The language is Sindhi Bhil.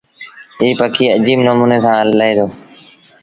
ايٚ پکي اجيب نموٚني سآݩ لهي دو۔